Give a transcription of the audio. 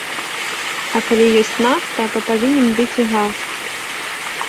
А калі ёсць нафта, то павінен быць і газ.